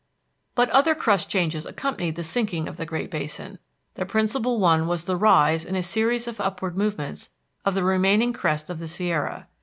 But other crust changes accompanied the sinking of the Great Basin. The principal one was the rise, in a series of upward movements, of the remaining crest of the Sierra.